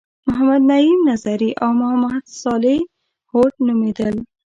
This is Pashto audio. محمد نعیم نظري او محمد صالح هوډ نومیدل.